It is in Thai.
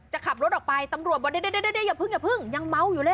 จะขับรถออกไปตำรวจบอกเดี๋ยวอย่าเพิ่งยังเมาอยู่เลย